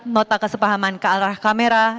nota kesepahaman ke arah kamera